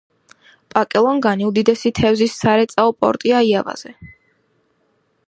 პაკელონგანი უდიდესი თევზის სარეწაო პორტია იავაზე.